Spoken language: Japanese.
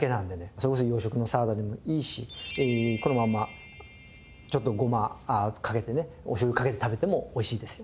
それこそ洋食のサラダでもいいしこのままちょっとごまかけてねお醤油かけて食べてもおいしいですよ。